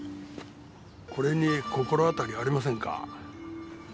これに心当たりありませんか？